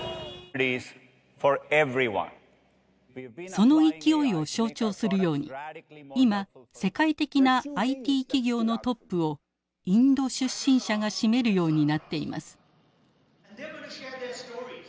その勢いを象徴するように今世界的なＩＴ企業のトップをインド出身者が占めるようになっています。